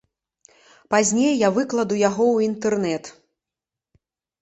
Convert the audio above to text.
Пазней я выкладу яго ў інтэрнэт.